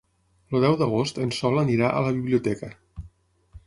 El deu d'agost en Sol anirà a la biblioteca.